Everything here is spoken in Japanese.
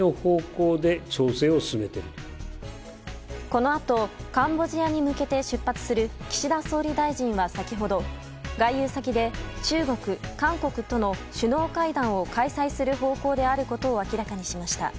このあとカンボジアに向けて出発する岸田総理大臣は先ほど外遊先で中国・韓国との首脳会談を開催する方向であることを明らかにしました。